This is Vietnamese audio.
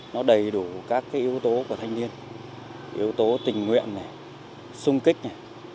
nó đầy đủ các yếu tố của thanh niên yếu tố tình nguyện này sung kích này